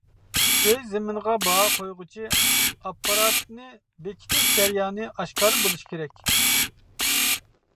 ئۆي-زېمىنغا باھا قويغۇچى ئاپپاراتنى بېكىتىش جەريانى ئاشكارا بولۇش كېرەك.